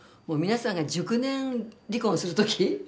もう皆さんが熟年離婚する時。